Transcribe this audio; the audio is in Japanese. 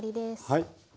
はい。